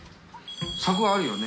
柵あるよね？